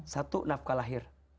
satu nafkah lahir